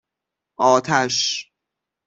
آتش